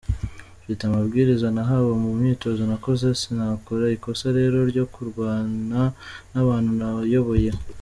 mfite amabwiriza nahawe mu myitozo nakoze; sinakora ikosa rero ryo kurwana n’abantu nayoboye.